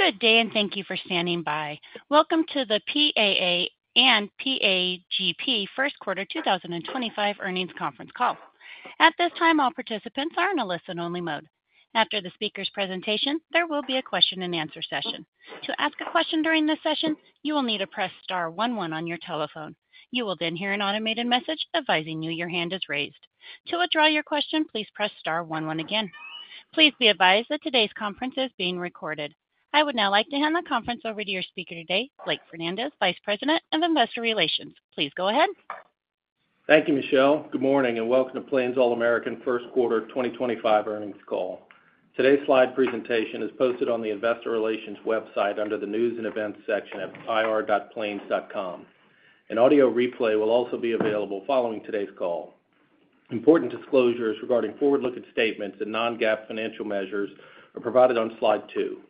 Good day, and thank you for standing by. Welcome to the PAA and PAGP First Quarter 2025 Earnings Conference call. At this time, all participants are in a listen-only mode. After the speaker's presentation, there will be a question-and-answer session. To ask a question during this session, you will need to press star one one on your telephone. You will then hear an automated message advising you your hand is raised. To withdraw your question, please press star one one again. Please be advised that today's conference is being recorded. I would now like to hand the conference over to your speaker today, Blake Fernandez, Vice President of Investor Relations. Please go ahead. Thank you, Michelle. Good morning, and welcome to Plains All American First Quarter 2025 Earnings Call. Today's slide presentation is posted on the Investor Relations website under the News and Events section at ir.plains.com. An audio replay will also be available following today's call. Important disclosures regarding forward-looking statements and non-GAAP financial measures are provided on slide two.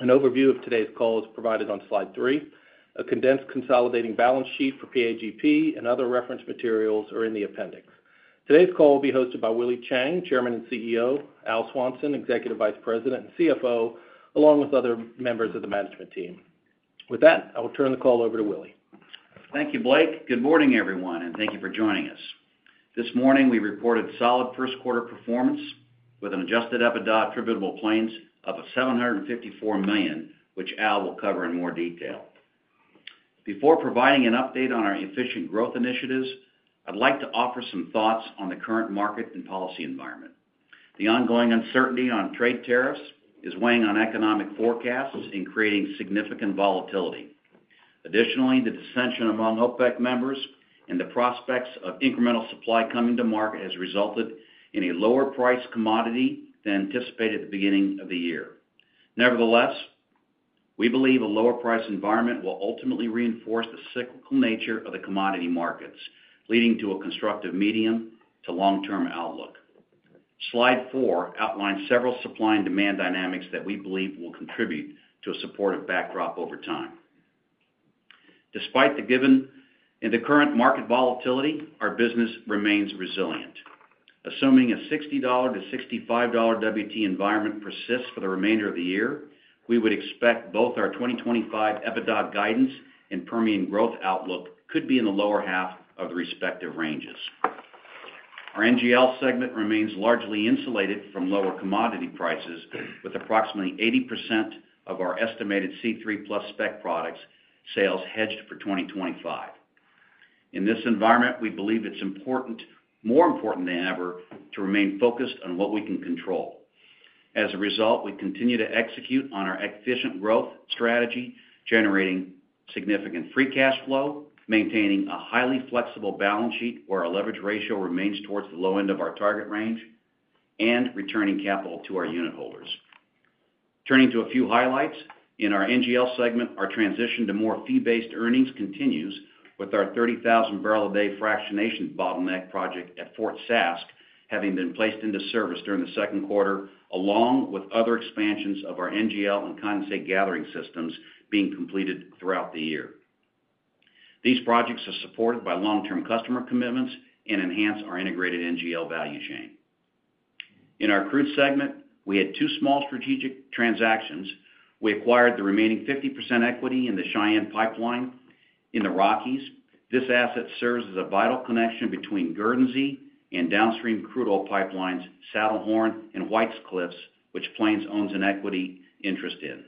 An overview of today's call is provided on slide three. A condensed consolidating balance sheet for PAGP and other reference materials are in the appendix. Today's call will be hosted by Willie Chiang, Chairman and CEO; Al Swanson, Executive Vice President and CFO, along with other members of the management team. With that, I will turn the call over to Willie. Thank you, Blake. Good morning, everyone, and thank you for joining us. This morning, we reported solid first-quarter performance with an adjusted EBITDA attributable to Plains of $754 million, which Al will cover in more detail. Before providing an update on our efficient growth initiatives, I'd like to offer some thoughts on the current market and policy environment. The ongoing uncertainty on trade tariffs is weighing on economic forecasts and creating significant volatility. Additionally, the dissension among OPEC members and the prospects of incremental supply coming to market has resulted in a lower-priced commodity than anticipated at the beginning of the year. Nevertheless, we believe a lower-priced environment will ultimately reinforce the cyclical nature of the commodity markets, leading to a constructive medium to long-term outlook. Slide four outlines several supply and demand dynamics that we believe will contribute to a supportive backdrop over time. Despite the given and the current market volatility, our business remains resilient. Assuming a $60-$65 WT environment persists for the remainder of the year, we would expect both our 2025 EBITDA guidance and Permian growth outlook could be in the lower half of the respective ranges. Our NGL segment remains largely insulated from lower commodity prices, with approximately 80% of our estimated C3+ spec products sales hedged for 2025. In this environment, we believe it's important, more important than ever, to remain focused on what we can control. As a result, we continue to execute on our efficient growth strategy, generating significant free cash flow, maintaining a highly flexible balance sheet where our leverage ratio remains towards the low end of our target range, and returning capital to our unitholders. Turning to a few highlights, in our NGL segment, our transition to more fee-based earnings continues with our 30,000 barrel a day fractionation bottleneck project at Fort Sask having been placed into service during the second quarter, along with other expansions of our NGL and condensate gathering systems being completed throughout the year. These projects are supported by long-term customer commitments and enhance our integrated NGL value chain. In our crude segment, we had two small strategic transactions. We acquired the remaining 50% equity in the Cheyenne pipeline in the Rockies. This asset serves as a vital connection between Guernsey and downstream crude oil pipelines Saddlehorn and White Cliffs, which Plains owns an equity interest in.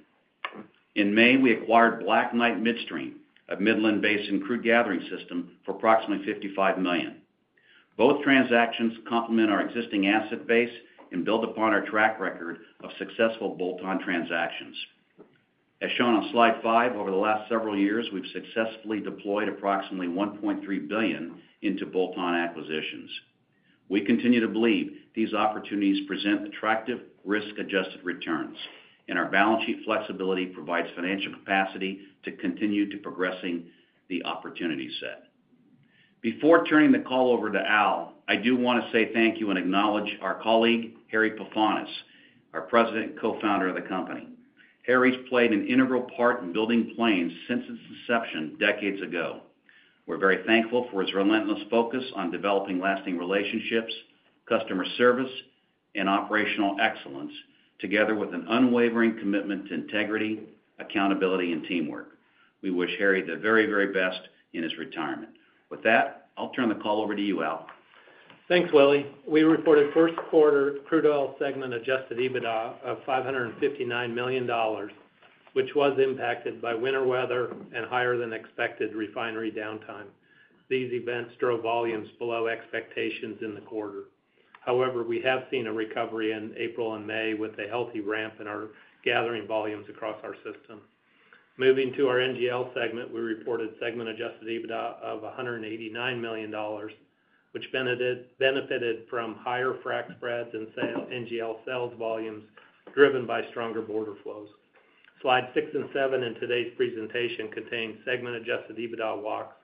In May, we acquired Black Knight Midstream, a Midland-based crude gathering system, for approximately $55 million. Both transactions complement our existing asset base and build upon our track record of successful bolt-on transactions. As shown on slide five, over the last several years, we've successfully deployed approximately $1.3 billion into bolt-on acquisitions. We continue to believe these opportunities present attractive risk-adjusted returns, and our balance sheet flexibility provides financial capacity to continue to progress the opportunity set. Before turning the call over to Al, I do want to say thank you and acknowledge our colleague, Harry Pefanis, our President and Co-Founder of the company. Harry's played an integral part in building Plains since its inception decades ago. We're very thankful for his relentless focus on developing lasting relationships, customer service, and operational excellence, together with an unwavering commitment to integrity, accountability, and teamwork. We wish Harry the very, very best in his retirement. With that, I'll turn the call over to you, Al. Thanks, Willie. We reported first-quarter crude oil segment adjusted EBITDA of $559 million, which was impacted by winter weather and higher-than-expected refinery downtime. These events drove volumes below expectations in the quarter. However, we have seen a recovery in April and May with a healthy ramp in our gathering volumes across our system. Moving to our NGL segment, we reported segment-adjusted EBITDA of $189 million, which benefited from higher frac spreads and NGL sales volumes driven by stronger border flows. Slide six and seven in today's presentation contain segment-adjusted EBITDA walks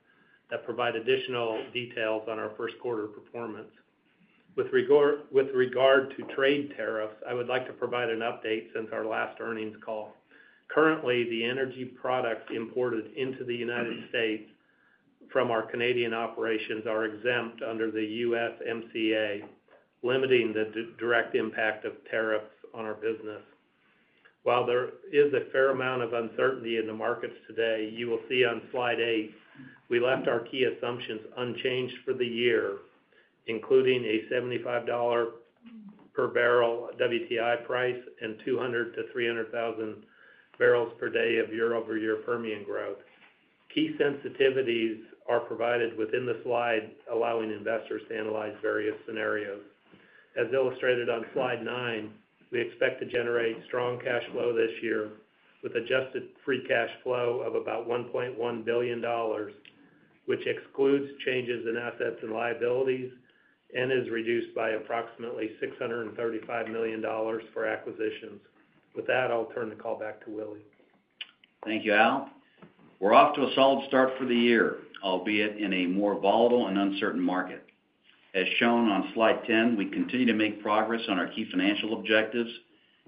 that provide additional details on our first-quarter performance. With regard to trade tariffs, I would like to provide an update since our last earnings call. Currently, the energy products imported into the United States from our Canadian operations are exempt under the USMCA, limiting the direct impact of tariffs on our business. While there is a fair amount of uncertainty in the markets today, you will see on slide eight, we left our key assumptions unchanged for the year, including a $75 per barrel WTI price and 200,000-300,000 barrels per day of year-over-year Permian growth. Key sensitivities are provided within the slide, allowing investors to analyze various scenarios. As illustrated on slide nine, we expect to generate strong cash flow this year with adjusted free cash flow of about $1.1 billion, which excludes changes in assets and liabilities and is reduced by approximately $635 million for acquisitions. With that, I'll turn the call back to Willie. Thank you, Al. We're off to a solid start for the year, albeit in a more volatile and uncertain market. As shown on slide ten, we continue to make progress on our key financial objectives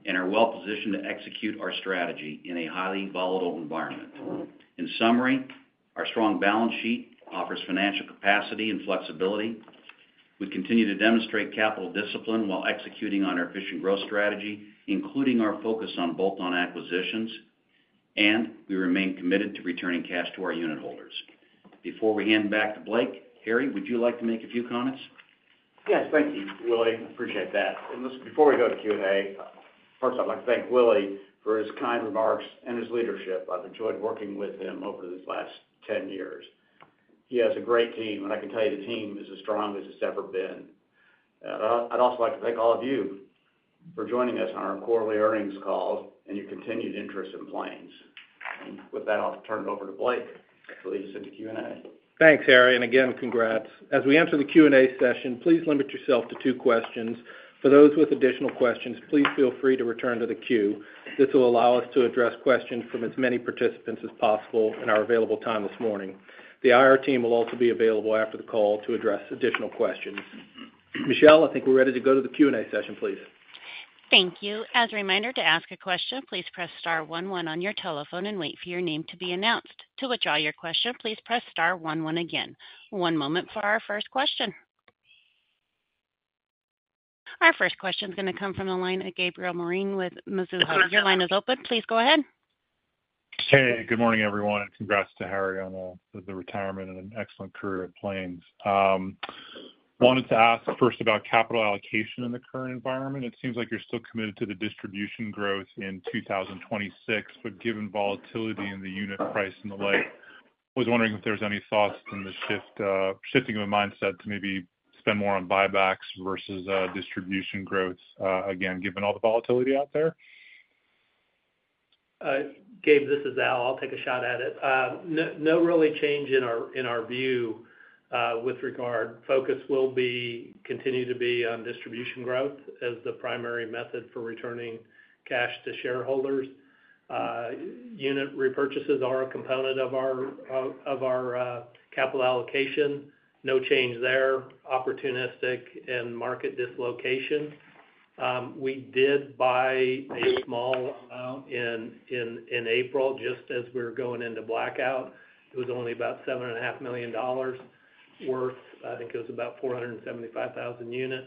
and are well-positioned to execute our strategy in a highly volatile environment. In summary, our strong balance sheet offers financial capacity and flexibility. We continue to demonstrate capital discipline while executing on our efficient growth strategy, including our focus on bolt-on acquisitions, and we remain committed to returning cash to our unit holders. Before we hand back to Blake, Harry, would you like to make a few comments? Yes, thank you, Willie. I appreciate that. Before we go to Q&A, first, I'd like to thank Willie for his kind remarks and his leadership. I've enjoyed working with him over these last ten years. He has a great team, and I can tell you the team is as strong as it's ever been. I'd also like to thank all of you for joining us on our quarterly earnings call and your continued interest in Plains. With that, I'll turn it over to Blake. Please send the Q&A. Thanks, Harry, and again, congrats. As we enter the Q&A session, please limit yourself to two questions. For those with additional questions, please feel free to return to the queue. This will allow us to address questions from as many participants as possible in our available time this morning. The IR team will also be available after the call to address additional questions. Michelle, I think we're ready to go to the Q&A session, please. Thank you. As a reminder, to ask a question, please press star 11 on your telephone and wait for your name to be announced. To withdraw your question, please press star 11 again. One moment for our first question. Our first question is going to come from the line of Gabriel Moreen with Mizuho. Your line is open. Please go ahead. Hey, good morning, everyone, and congrats to Harry on the retirement and an excellent career at Plains. I wanted to ask first about capital allocation in the current environment. It seems like you're still committed to the distribution growth in 2026, but given volatility in the unit price and the like, I was wondering if there were any thoughts in the shifting of a mindset to maybe spend more on buybacks versus distribution growth, again, given all the volatility out there. Gabe, this is Al. I'll take a shot at it. No real change in our view with regard. Focus will continue to be on distribution growth as the primary method for returning cash to shareholders. Unit repurchases are a component of our capital allocation. No change there. Opportunistic and market dislocation. We did buy a small amount in April just as we were going into blackout. It was only about $7.5 million worth. I think it was about 475,000 units.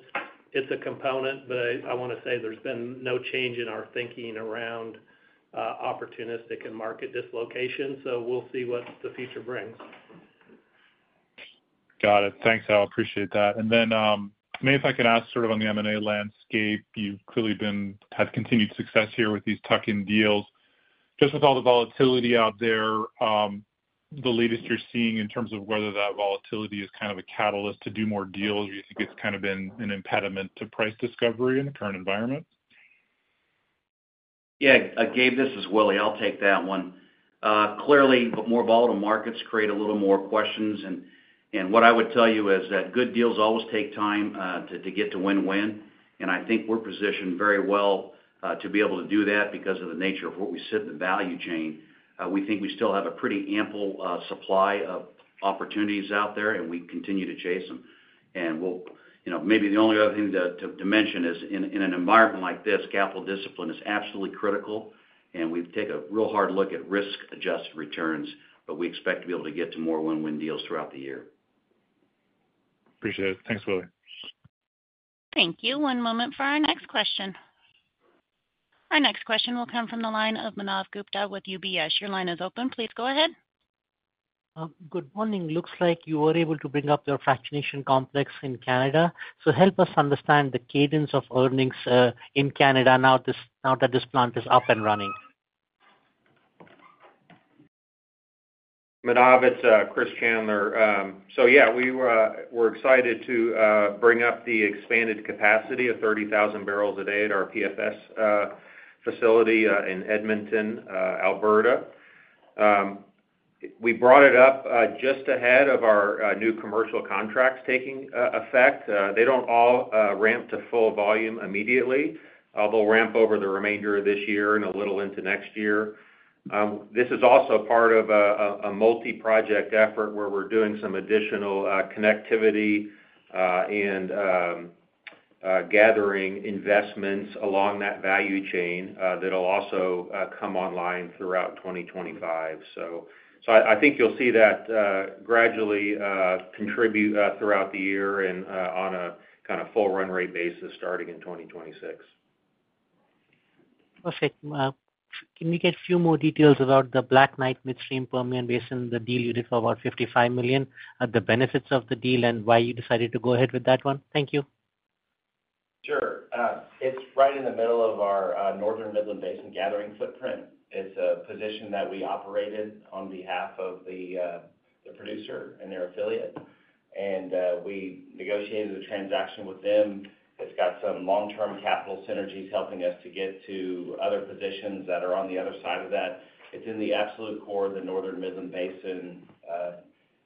It's a component, but I want to say there's been no change in our thinking around opportunistic and market dislocation, so we'll see what the future brings. Got it. Thanks, Al. Appreciate that. Maybe if I can ask sort of on the M&A landscape, you've clearly been, have continued success here with these tuck-in deals. Just with all the volatility out there, the latest you're seeing in terms of whether that volatility is kind of a catalyst to do more deals, or do you think it's kind of been an impediment to price discovery in the current environment? Yeah. Gabe, this is Willie. I'll take that one. Clearly, the more volatile markets create a little more questions. What I would tell you is that good deals always take time to get to win-win. I think we're positioned very well to be able to do that because of the nature of what we sit in the value chain. We think we still have a pretty ample supply of opportunities out there, and we continue to chase them. Maybe the only other thing to mention is in an environment like this, capital discipline is absolutely critical, and we take a real hard look at risk-adjusted returns, but we expect to be able to get to more win-win deals throughout the year. Appreciate it. Thanks, Willie. Thank you. One moment for our next question. Our next question will come from the line of Manav Gupta with UBS. Your line is open. Please go ahead. Good morning. Looks like you were able to bring up your fractionation complex in Canada. Help us understand the cadence of earnings in Canada now that this plant is up and running. Manav, it's Chris Chandler. Yeah, we were excited to bring up the expanded capacity of 30,000 barrels a day at our PFS facility in Edmonton, Alberta. We brought it up just ahead of our new commercial contracts taking effect. They do not all ramp to full volume immediately, although ramp over the remainder of this year and a little into next year. This is also part of a multi-project effort where we are doing some additional connectivity and gathering investments along that value chain that will also come online throughout 2025. I think you will see that gradually contribute throughout the year and on a kind of full run rate basis starting in 2026. Perfect. Can we get a few more details about the Black Knight Midstream Permian Basin? The deal you did for about $55 million, the benefits of the deal, and why you decided to go ahead with that one? Thank you. Sure. It is right in the middle of our Northern Midland Basin gathering footprint. It is a position that we operated on behalf of the producer and their affiliate. We negotiated a transaction with them. It has some long-term capital synergies helping us to get to other positions that are on the other side of that. It is in the absolute core of the Northern Midland Basin.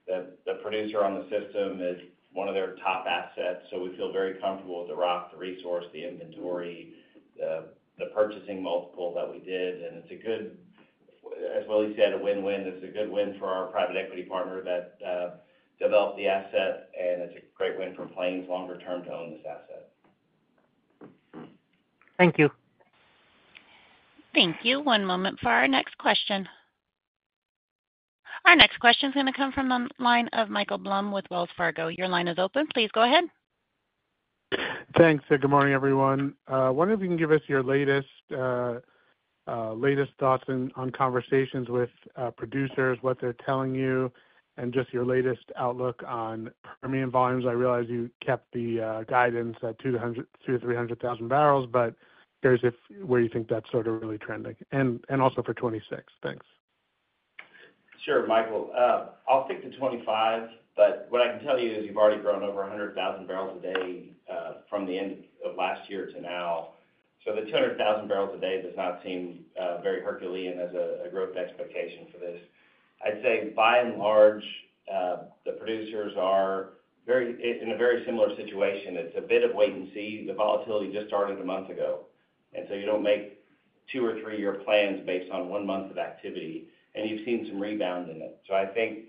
The producer on the system is one of their top assets, so we feel very comfortable with the rock, the resource, the inventory, the purchasing multiple that we did. It is a good, as Willie said, a win-win. It is a good win for our private equity partner that developed the asset, and it is a great win for Plains longer term to own this asset. Thank you. Thank you. One moment for our next question. Our next question is going to come from the line of Michael Blum with Wells Fargo. Your line is open. Please go ahead. Thanks. Good morning, everyone. I wonder if you can give us your latest thoughts on conversations with producers, what they're telling you, and just your latest outlook on Permian volumes. I realize you kept the guidance at $200,000-$300,000, but where you think that's sort of really trending. Also for 2026. Thanks. Sure, Michael. I'll stick to '25, but what I can tell you is you've already grown over 100,000 barrels a day from the end of last year to now. The 200,000 barrels a day does not seem very Herculean as a growth expectation for this. I'd say, by and large, the producers are in a very similar situation. It's a bit of wait and see. The volatility just started a month ago. You do not make two or three-year plans based on one month of activity, and you've seen some rebound in it. I think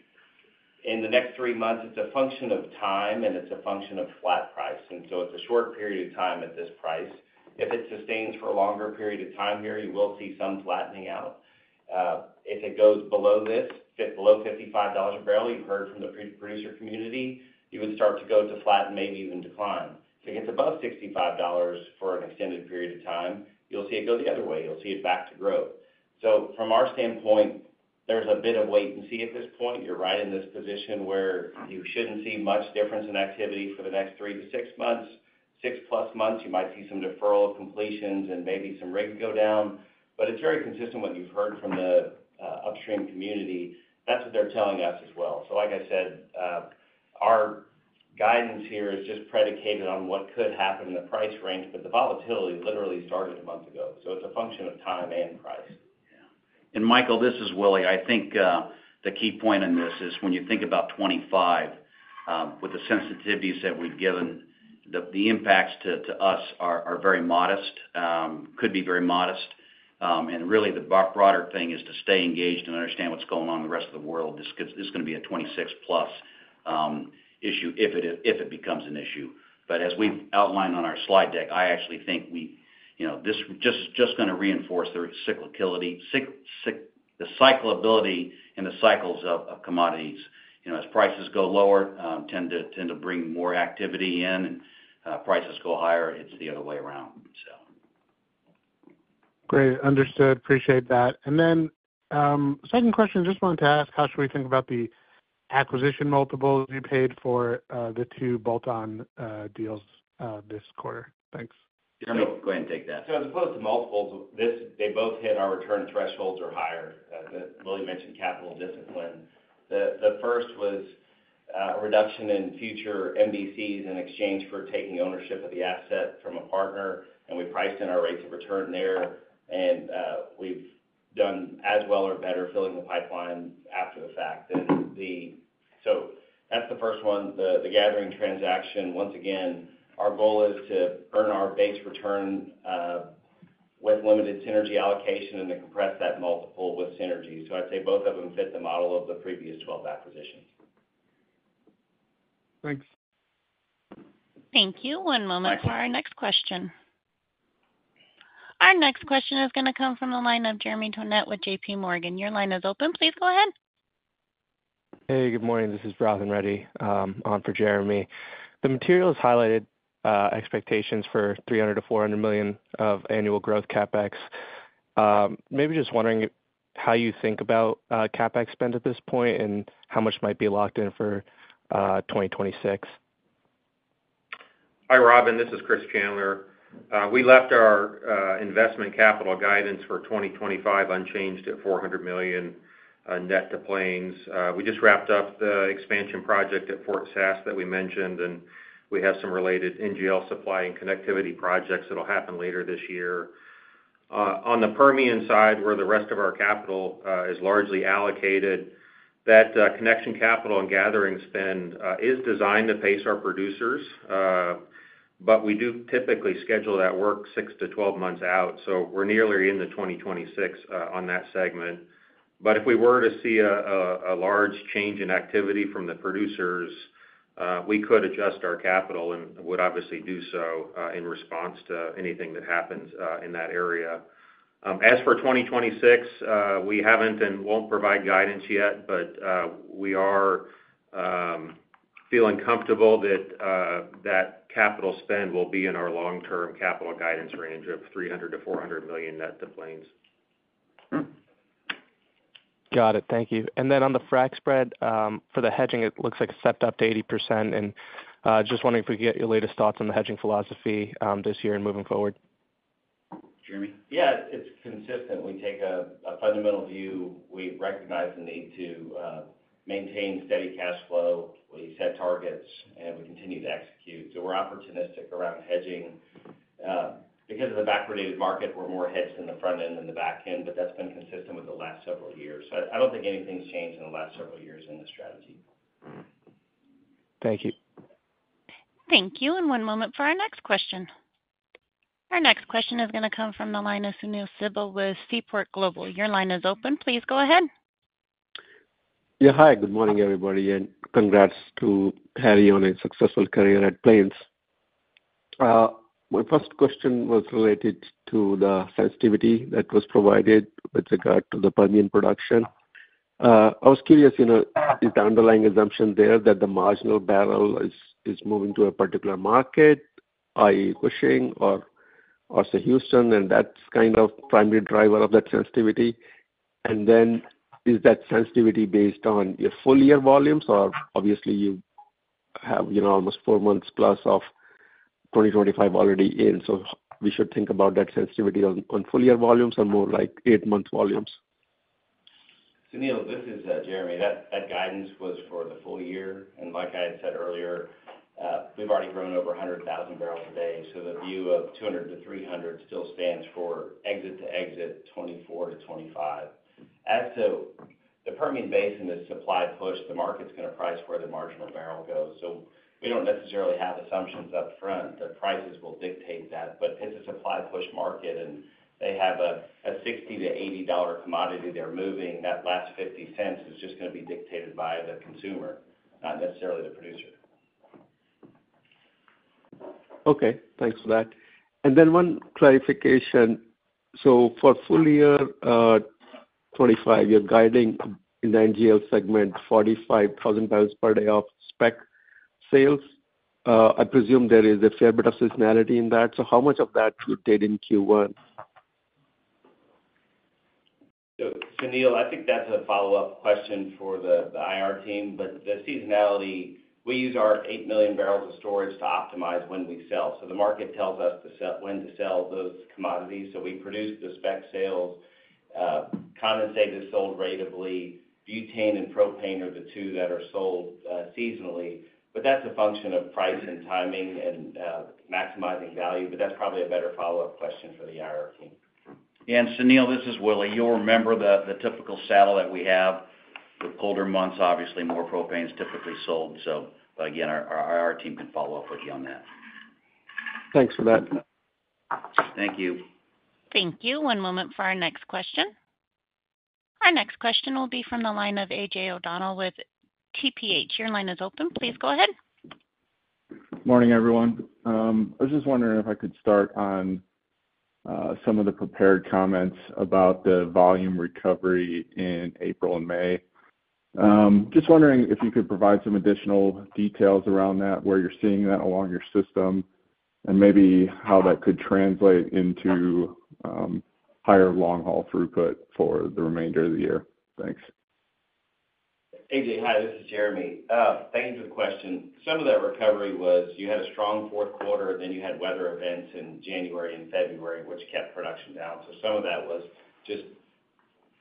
in the next three months, it's a function of time, and it's a function of flat price. It's a short period of time at this price. If it sustains for a longer period of time here, you will see some flattening out. If it goes below this, below $55 a barrel, you've heard from the producer community, you would start to go to flat and maybe even decline. If it gets above $65 for an extended period of time, you'll see it go the other way. You'll see it back to growth. From our standpoint, there's a bit of wait and see at this point. You're right in this position where you shouldn't see much difference in activity for the next three to six months. Six-plus months, you might see some deferral of completions and maybe some rig go down. It's very consistent with what you've heard from the upstream community. That's what they're telling us as well. Like I said, our guidance here is just predicated on what could happen in the price range, but the volatility literally started a month ago. It is a function of time and price. Yeah. And Michael, this is Willie. I think the key point in this is when you think about 2025, with the sensitivities that we have given, the impacts to us are very modest, could be very modest. Really, the broader thing is to stay engaged and understand what is going on in the rest of the world. This is going to be a 2026-plus issue if it becomes an issue. As we have outlined on our slide deck, I actually think this is just going to reinforce the cyclability and the cycles of commodities. As prices go lower, tend to bring more activity in. Prices go higher, it is the other way around, so. Great. Understood. Appreciate that. Second question, just wanted to ask, how should we think about the acquisition multiples you paid for the two bolt-on deals this quarter? Thanks. Jeremy, go ahead and take that. As opposed to multiples, they both hit our return thresholds or higher. Willie mentioned capital discipline. The first was a reduction in future MDCs in exchange for taking ownership of the asset from a partner, and we priced in our rates of return there. We've done as well or better filling the pipeline after the fact. That is the first one. The gathering transaction, once again, our goal is to earn our base return with limited synergy allocation and to compress that multiple with synergy. I'd say both of them fit the model of the previous 12 acquisitions. Thanks. Thank you. One moment for our next question. Our next question is going to come from the line of Jeremy Tonet with JP Morgan. Your line is open. Please go ahead. Hey, good morning. This is Vrathan Reddy on for Jeremy. The material has highlighted expectations for $300 million-$400 million of annual growth CapEx. Maybe just wondering how you think about CapEx spend at this point and how much might be locked in for 2026. Hi, Vrathan. This is Chris Chandler. We left our investment capital guidance for 2025 unchanged at $400 million net to Plains. We just wrapped up the expansion project at Fort Saskatchewan that we mentioned, and we have some related NGL supply and connectivity projects that'll happen later this year. On the Permian side, where the rest of our capital is largely allocated, that connection capital and gathering spend is designed to pace our producers, but we do typically schedule that work 6 to 12 months out. We are nearly in the 2026 on that segment. If we were to see a large change in activity from the producers, we could adjust our capital and would obviously do so in response to anything that happens in that area. As for 2026, we haven't and won't provide guidance yet, but we are feeling comfortable that that capital spend will be in our long-term capital guidance range of $300 million-$400 million net to Plains. Got it. Thank you. On the frac spread, for the hedging, it looks like it's stepped up to 80%. Just wondering if we could get your latest thoughts on the hedging philosophy this year and moving forward. Jeremy? Yeah. It's consistent. We take a fundamental view. We recognize the need to maintain steady cash flow. We set targets, and we continue to execute. We're opportunistic around hedging. Because of the backwardated market, we're more hedged in the front end than the back end, but that's been consistent with the last several years. I don't think anything's changed in the last several years in the strategy. Thank you. Thank you. One moment for our next question. Our next question is going to come from the line of Sunil Sibal with Seaport Global. Your line is open. Please go ahead. Yeah. Hi. Good morning, everybody. And congrats to Harry on a successful career at Plains. My first question was related to the sensitivity that was provided with regard to the Permian production. I was curious, is the underlying assumption there that the marginal barrel is moving to a particular market, i.e., Cushing or Austin-Houston, and that's kind of the primary driver of that sensitivity? And then is that sensitivity based on your full-year volumes, or obviously, you have almost four months plus of 2025 already in? So we should think about that sensitivity on full-year volumes or more like eight-month volumes? Sunil, this is Jeremy. That guidance was for the full year. Like I had said earlier, we've already grown over 100,000 barrels a day. The view of 200-300 still stands for exit to exit 2024 to 2025. As to the Permian Basin is supply pushed, the market's going to price where the marginal barrel goes. We do not necessarily have assumptions upfront. The prices will dictate that. It is a supply push market, and they have a $60-$80 commodity they're moving. That last 50 cents is just going to be dictated by the consumer, not necessarily the producer. Okay. Thanks for that. One clarification. For full-year 2025, you are guiding in the NGL segment, 45,000 barrels per day of spec sales. I presume there is a fair bit of seasonality in that. How much of that did you do in Q1? Sunil, I think that's a follow-up question for the IR team. The seasonality, we use our 8 million barrels of storage to optimize when we sell. The market tells us when to sell those commodities. We produce the spec sales, condensate is sold rateably. Butane and propane are the two that are sold seasonally. That's a function of price and timing and maximizing value. That's probably a better follow-up question for the IR team. Sunil, this is Willie. You'll remember the typical saddle that we have with colder months, obviously, more propane is typically sold. Our IR team can follow up with you on that. Thanks for that. Thank you. Thank you. One moment for our next question. Our next question will be from the line of AJ O'Donnell with TPH. Your line is open. Please go ahead. Morning, everyone. I was just wondering if I could start on some of the prepared comments about the volume recovery in April and May. Just wondering if you could provide some additional details around that, where you're seeing that along your system, and maybe how that could translate into higher long-haul throughput for the remainder of the year. Thanks. AJ, hi. This is Jeremy. Thank you for the question. Some of that recovery was you had a strong fourth quarter, and then you had weather events in January and February, which kept production down. Some of that was just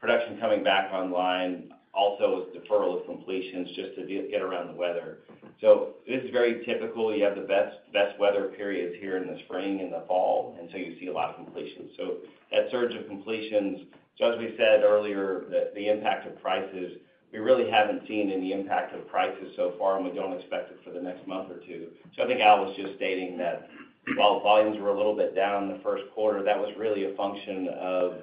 production coming back online. Also, it was deferral of completions just to get around the weather. This is very typical. You have the best weather periods here in the spring and the fall, and you see a lot of completions. That surge of completions, as we said earlier, the impact of prices, we really have not seen any impact of prices so far, and we do not expect it for the next month or two. I think Al was just stating that while volumes were a little bit down the first quarter, that was really a function of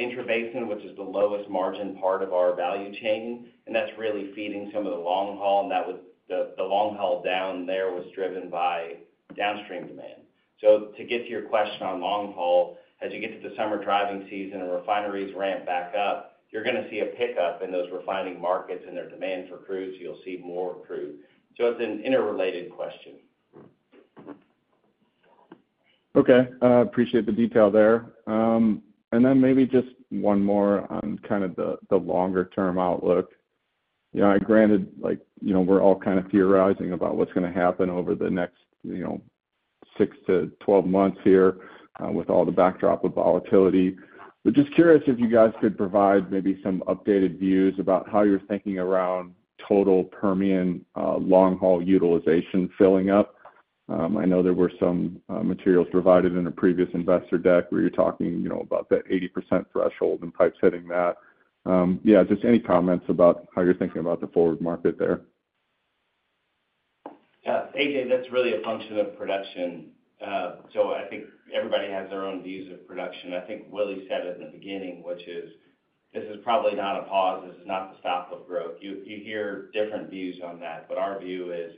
interbasin, which is the lowest margin part of our value chain. That is really feeding some of the long-haul, and the long-haul down there was driven by downstream demand. To get to your question on long-haul, as you get to the summer driving season and refineries ramp back up, you are going to see a pickup in those refining markets and their demand for crude. You will see more crude. It is an interrelated question. Okay. Appreciate the detail there. Maybe just one more on kind of the longer-term outlook. Granted, we're all kind of theorizing about what's going to happen over the next 6 to 12 months here with all the backdrop of volatility. Just curious if you guys could provide maybe some updated views about how you're thinking around total Permian long-haul utilization filling up. I know there were some materials provided in a previous investor deck where you're talking about the 80% threshold and pipes hitting that. Yeah, just any comments about how you're thinking about the forward market there? Yeah. AJ, that's really a function of production. I think everybody has their own views of production. I think Willie said it in the beginning, which is this is probably not a pause. This is not the stop of growth. You hear different views on that. Our view is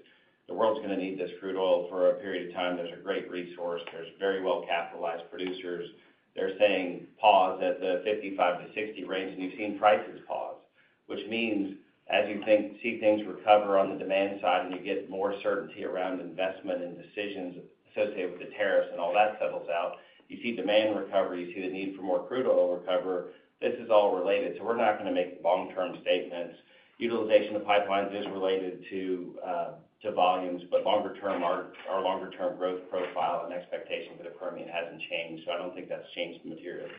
the world's going to need this crude oil for a period of time. There's a great resource. There are very well-capitalized producers. They're saying pause at the $55-$60 range, and you've seen prices pause, which means as you see things recover on the demand side and you get more certainty around investment and decisions associated with the tariffs and all that settles out, you see demand recover. You see the need for more crude oil recover. This is all related. We're not going to make long-term statements. Utilization of pipelines is related to volumes, but longer-term, our longer-term growth profile and expectation for the Permian hasn't changed. I don't think that's changed materially.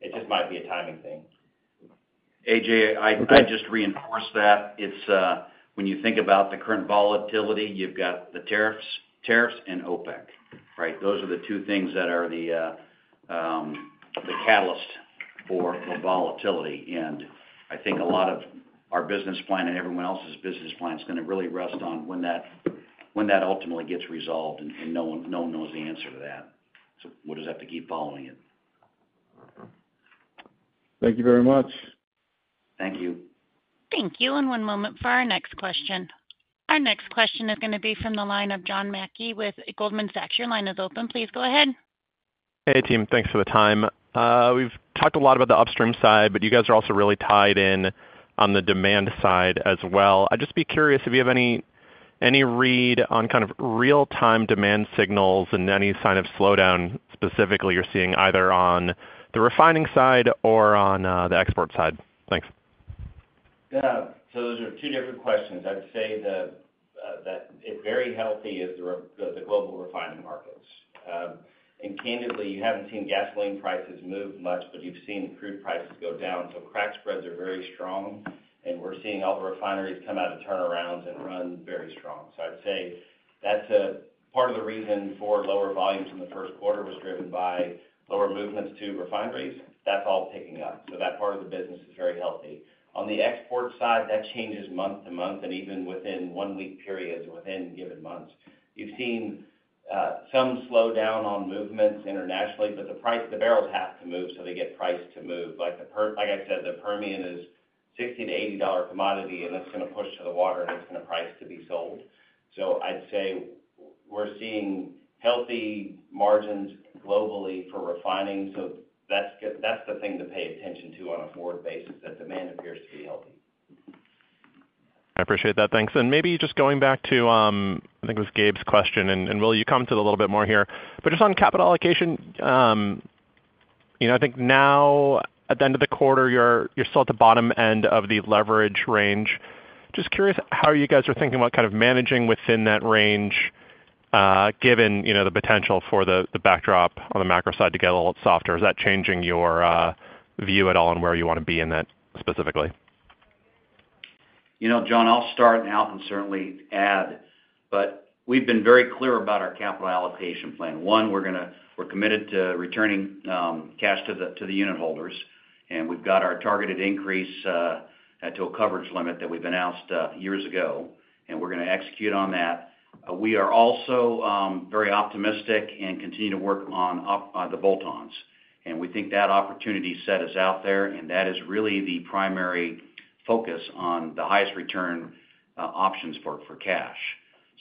It just might be a timing thing. AJ, I'd just reinforce that. When you think about the current volatility, you've got the tariffs and OPEC, right? Those are the two things that are the catalyst for volatility. I think a lot of our business plan and everyone else's business plan is going to really rest on when that ultimately gets resolved, and no one knows the answer to that. We'll just have to keep following it. Thank you very much. Thank you. Thank you. One moment for our next question. Our next question is going to be from the line of John Mackey with Goldman Sachs. Your line is open. Please go ahead. Hey, team. Thanks for the time. We've talked a lot about the upstream side, but you guys are also really tied in on the demand side as well. I'd just be curious if you have any read on kind of real-time demand signals and any sign of slowdown specifically you're seeing either on the refining side or on the export side. Thanks. Yeah. So those are two different questions. I'd say that it's very healthy is the global refining markets. And candidly, you haven't seen gasoline prices move much, but you've seen crude prices go down. So crack spreads are very strong, and we're seeing all the refineries come out of turnarounds and run very strong. I'd say that's part of the reason for lower volumes in the first quarter was driven by lower movements to refineries. That's all picking up. That part of the business is very healthy. On the export side, that changes month to month and even within one-week periods within given months. You've seen some slowdown on movements internationally, but the barrels have to move, so they get priced to move. Like I said, the Permian is $60-$80 commodity, and it's going to push to the water, and it's going to price to be sold. I'd say we're seeing healthy margins globally for refining. That's the thing to pay attention to on a forward basis, that demand. I appreciate that. Thanks. Maybe just going back to, I think it was Gabe's question, and Willie, you commented a little bit more here. Just on capital allocation, I think now at the end of the quarter, you're still at the bottom end of the leverage range. Just curious how you guys are thinking about kind of managing within that range, given the potential for the backdrop on the macro side to get a little softer. Is that changing your view at all on where you want to be in that specifically? John, I'll start now and certainly add. We have been very clear about our capital allocation plan. One, we're committed to returning cash to the unit holders, and we've got our targeted increase to a coverage limit that we've announced years ago, and we're going to execute on that. We are also very optimistic and continue to work on the bolt-ons. We think that opportunity set is out there, and that is really the primary focus on the highest return options for cash.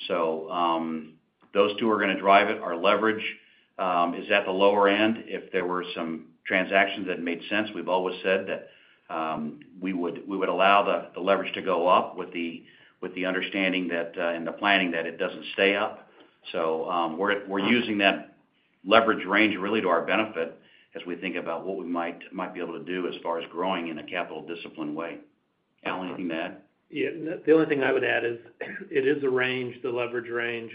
Those two are going to drive it. Our leverage is at the lower end. If there were some transactions that made sense, we've always said that we would allow the leverage to go up with the understanding and the planning that it does not stay up. We're using that leverage range really to our benefit as we think about what we might be able to do as far as growing in a capital-disciplined way. Al, anything to add? Yeah. The only thing I would add is it is a range, the leverage range.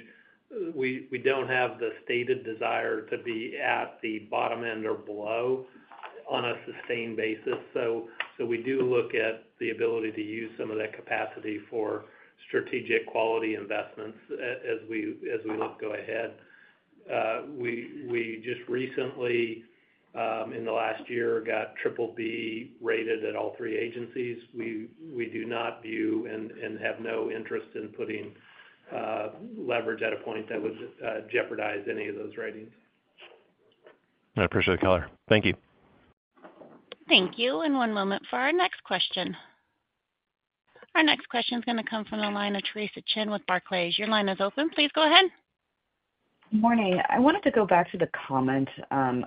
We do not have the stated desire to be at the bottom end or below on a sustained basis. We do look at the ability to use some of that capacity for strategic quality investments as we look to go ahead. We just recently, in the last year, got triple-B rated at all three agencies. We do not view and have no interest in putting leverage at a point that would jeopardize any of those ratings. I appreciate the color. Thank you. Thank you. One moment for our next question. Our next question is going to come from the line of Theresa Chen with Barclays. Your line is open. Please go ahead. Good morning. I wanted to go back to the comment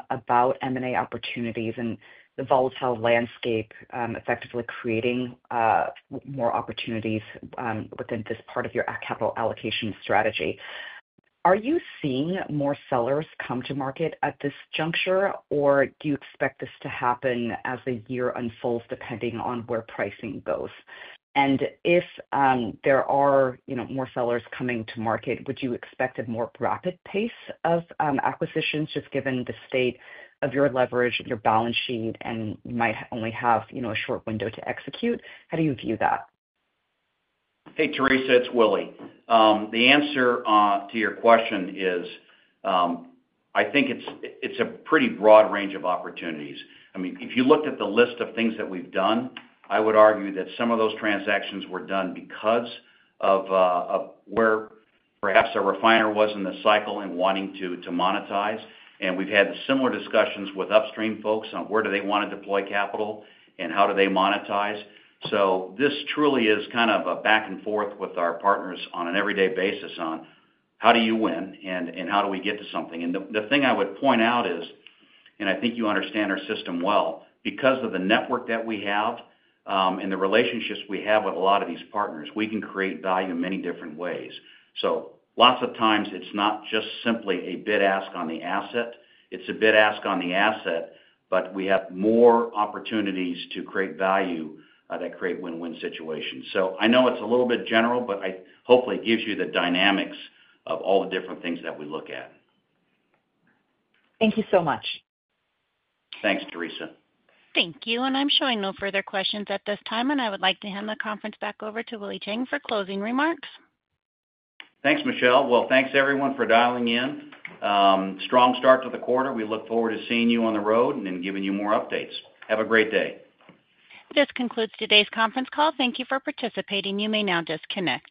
about M&A opportunities and the volatile landscape effectively creating more opportunities within this part of your capital allocation strategy. Are you seeing more sellers come to market at this juncture, or do you expect this to happen as the year unfolds depending on where pricing goes? If there are more sellers coming to market, would you expect a more rapid pace of acquisitions just given the state of your leverage and your balance sheet, and you might only have a short window to execute? How do you view that? Hey, Theresa, it's Willie. The answer to your question is I think it's a pretty broad range of opportunities. I mean, if you looked at the list of things that we've done, I would argue that some of those transactions were done because of where perhaps a refiner was in the cycle and wanting to monetize. We've had similar discussions with upstream folks on where do they want to deploy capital and how do they monetize. This truly is kind of a back and forth with our partners on an everyday basis on how do you win and how do we get to something. The thing I would point out is, and I think you understand our system well, because of the network that we have and the relationships we have with a lot of these partners, we can create value in many different ways. Lots of times, it's not just simply a bid-ask on the asset. It's a bid-ask on the asset, but we have more opportunities to create value that create win-win situations. I know it's a little bit general, but it hopefully gives you the dynamics of all the different things that we look at. Thank you so much. Thanks, Theresa. Thank you. I am showing no further questions at this time, and I would like to hand the conference back over to Willie Chiang for closing remarks. Thanks, Michelle. Thanks everyone for dialing in. Strong start to the quarter. We look forward to seeing you on the road and giving you more updates. Have a great day. This concludes today's conference call. Thank you for participating. You may now disconnect.